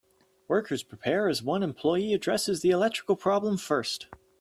Workers prepare as one employee addresses the electrical problem first.